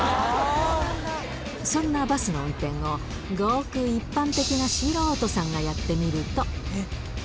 そんなバスの運転を、ごく一般的な素人さんがやってみると。